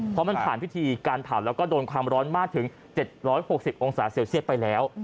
เพราะมันผ่านพิธีการเผาแล้วก็โดนความร้อนมากถึง๗๖๐องศาเซลเซียตไปแล้ว